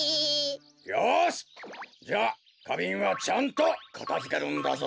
よしじゃあかびんはちゃんとかたづけるんだぞ！